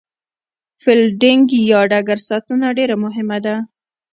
فیلډینګ یا ډګر ساتنه ډېره مهمه ده.